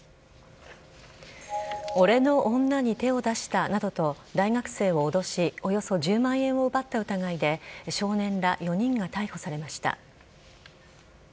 俺の女に手を出したなどと大学生を脅しおよそ１０万円を奪った疑いで少年ら４人が逮捕されました。